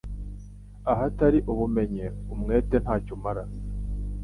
Ahatari ubumenyi umwete nta cyo umara